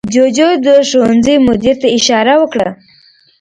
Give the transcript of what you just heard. جوجو د ښوونځي مدیر ته اشاره وکړه.